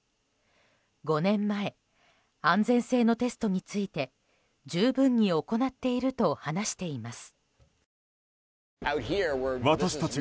５年前、安全性のテストについて十分に行っていると話しています。